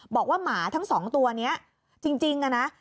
บอกว่าหมาทั้ง๒ตัวนี้จริงนะ